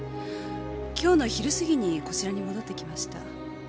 今日の昼過ぎにこちらに戻ってきました。